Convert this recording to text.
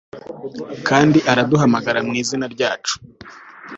Kandi araduhamagara mu izina ryacu